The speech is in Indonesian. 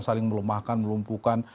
biasa saling melemahkan melumpuhkan